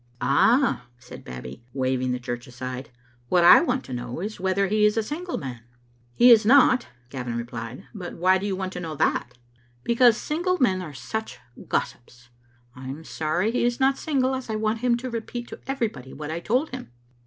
" "Ah," said Babbie, waving the Church aside, "what I want to know is whether he is a single man. " "He is not," Gavin replied; "but why do you want to know that?" Digitized by VjOOQ IC Its Ubc Xittle Ainfaten •* Because sinj^le men are such gossips. I am sorry he is not single, as I want him to repeat to everybody what I told him."